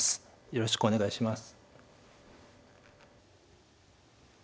よろしくお願いします。